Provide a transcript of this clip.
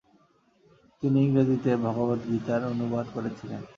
তিনি ইংরেজিতে ভগবদ্গীতার অনুবাদ রচনা করেছিলেন।